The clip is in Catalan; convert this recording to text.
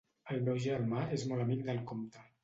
El meu germà és molt amic del compte.